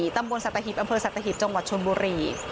ตำบลสัตหิบอำเภอสัตหิบจังหวัดชนบุรี